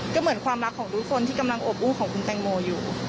ก็เหมือนความรักของทุกคนที่กำลังอบอู้ของคุณแตงโมอยู่